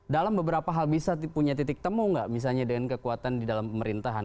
dalam beberapa hal apakah bisa punya titik temu tidak misalnya di dalam pemerintahan